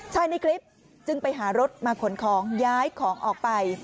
ในคลิปจึงไปหารถมาขนของย้ายของออกไป